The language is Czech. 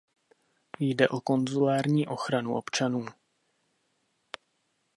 Jde o konzulární ochranu občanů.